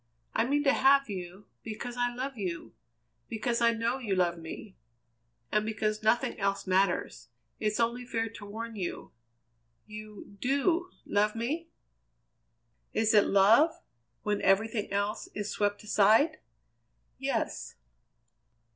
I mean to have you, because I love you; because I know you love me, and because nothing else matters. It's only fair to warn you. You do love me?" "Is it love when everything else is swept aside?" "Yes."